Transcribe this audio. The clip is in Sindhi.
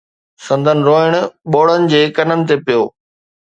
سندن روئڻ ٻوڙن جي ڪنن تي پيو.